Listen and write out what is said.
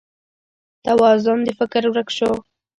توازون د فکر ورک شو